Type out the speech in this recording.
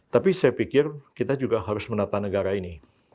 tapi saya pikir kita juga harus menata negara ini